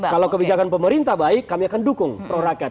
kalau kebijakan pemerintah baik kami akan dukung pro raket